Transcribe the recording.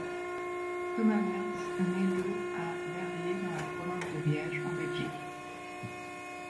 Thomas Wertz naît le à Verviers, dans la province de Liège en Belgique.